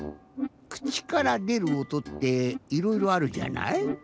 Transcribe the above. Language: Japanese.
くちからでるおとっていろいろあるじゃない？